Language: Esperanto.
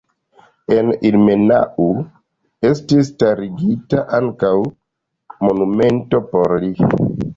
En Ilmenau estis starigita ankaŭ monumento por li.